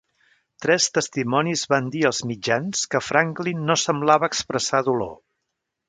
Tres testimonis van dir als mitjans que Franklin no semblava expressar dolor.